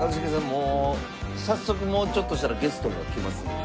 もう早速もうちょっとしたらゲストが来ますんで。